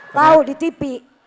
tahu di tv